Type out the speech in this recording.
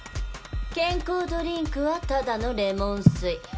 健康ドリンクはただのレモン水。